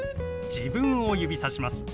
自分を指さします。